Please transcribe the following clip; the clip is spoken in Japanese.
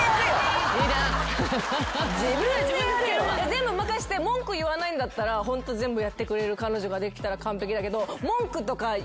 全部任せて文句言わないんだったらホント全部やってくれる彼女ができたら完璧だけど。